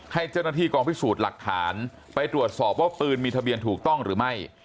ให้เจ้าหน้าที่กองพิสูจน์หลักฐานไปตรวจสอบว่าปืนมีทะเบียนถูกต้องหรือไม่